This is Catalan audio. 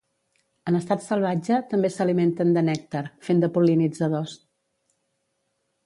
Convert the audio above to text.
En estat salvatge, també s'alimenten de nèctar, fent de pol·linitzadors.